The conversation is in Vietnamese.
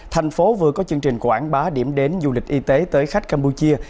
thành phố vừa có chương trình quảng bá điểm đến du lịch y tế tới khách campuchia